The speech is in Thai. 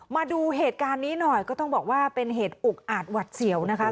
มาดูเหตุการณ์นี้หน่อยก็ต้องบอกว่าเป็นเหตุอุกอาจหวัดเสี่ยวนะคะ